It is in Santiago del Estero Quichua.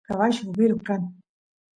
cabullu overo kan